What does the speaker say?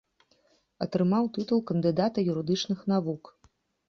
Атрымаў тытул кандыдата юрыдычных навук.